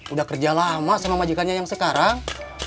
udah kerja lama sama majikannya yang sekarang